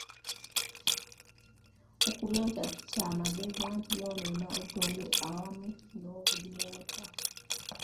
Okubyokya si kya magezi anti ky‘onoona obutonde awamu n'obugimu bw'ettaka.